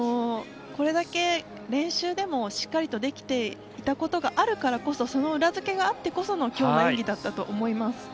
これだけ練習でもしっかりとできていたことがあるからこそその裏付けがあってこその今日の演技だったと思います。